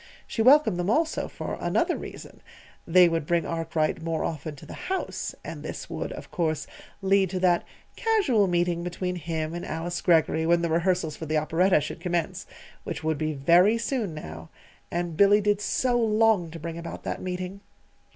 She welcomed them, also, for another reason: they would bring Arkwright more often to the house, and this would, of course, lead to that "casual meeting" between him and Alice Greggory when the rehearsals for the operetta should commence which would be very soon now. And Billy did so long to bring about that meeting!